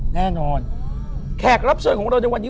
แน่นอนแขกรับเชิญของเราในวันนี้